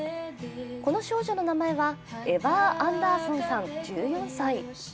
この少女の名前はエヴァー・アンダーソンさん１４歳。